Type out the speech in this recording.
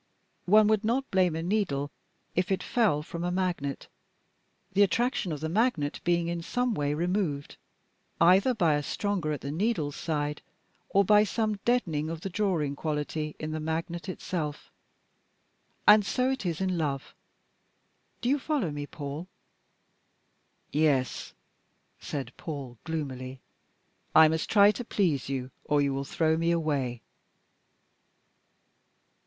One would not blame a needle if it fell from a magnet, the attraction of the magnet being in some way removed, either by a stronger at the needle's side, or by some deadening of the drawing quality in the magnet itself and so it is in love. Do you follow me, Paul?" "Yes." said Paul gloomily. "I must try to please you, or you will throw me away."